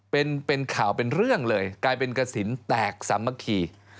เป็นข่าวเป็นเรื่องเลยกลายเป็นกระสินแตกสามัคคี